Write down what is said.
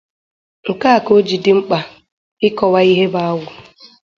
Nke a ka o jiri dị mkpa ịkọwa ihe bụ agwụ.